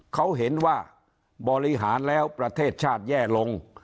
เขาเห็นว่าบริหารแล้วประเทศชาติแย่ลง